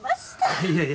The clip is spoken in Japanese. いやいや。